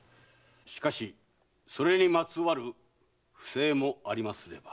しかしそれにまつわる不正もありますれば。